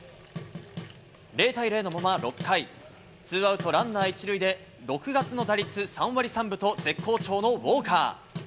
０対０のまま６回、ツーアウトランナー１塁で、６月の打率３割３分と絶好調のウォーカー。